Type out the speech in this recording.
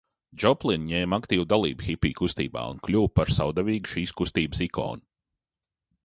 Džoplina ņēma aktīvu dalību hipiju kustībā un kļuva par savdabīgu šīs kustības ikonu.